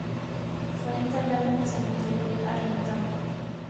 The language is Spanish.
Fue enterrado en el Cementerio de Arlington.